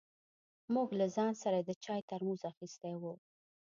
موږ له ځان سره د چای ترموز اخيستی و.